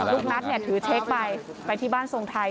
ลูกนัทถือเช็คไปไปที่บ้านทรงไทย